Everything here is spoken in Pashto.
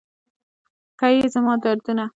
که یې زما دردونه